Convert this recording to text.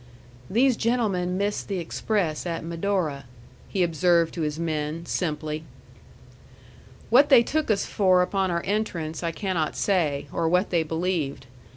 "These gentlemen missed the express at Medora," he observed to his men, simply. What they took us for upon our entrance I cannot say, or what they believed.